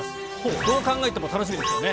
どう考えても楽しみですよね？